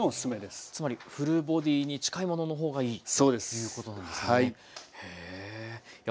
つまりフルボディに近いものの方がいいということなんですね。